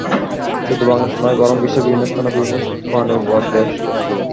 শুধু বাংলাদেশেই নয় বরং বিশ্বের বিভিন্ন স্থানেও বিভিন্ন প্রাণীর বট বেশ জনপ্রিয়।